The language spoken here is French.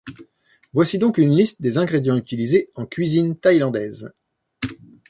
Voici donc une liste des ingrédients utilisés en cuisine thaïlandaise.